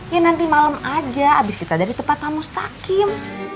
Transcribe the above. ya nanti malem aja abis kita ada di tempat tamu mustaqim